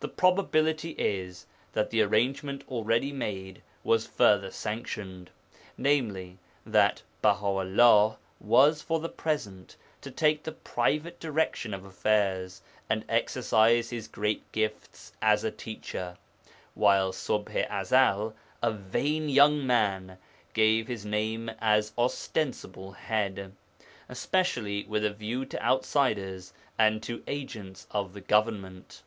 The probability is that the arrangement already made was further sanctioned, viz. that Baha 'ullah was for the present to take the private direction of affairs and exercise his great gifts as a teacher, while Ṣubḥ i Ezel (a vain young man) gave his name as ostensible head, especially with a view to outsiders and to agents of the government.